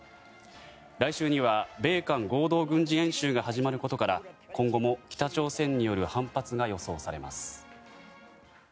来週には米韓合同軍事演習が始まることから今後も北朝鮮による反発が予想されます。